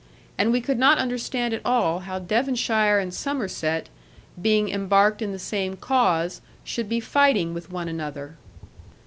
And we could not understand at all how Devonshire and Somerset, being embarked in the same cause, should be fighting with one another.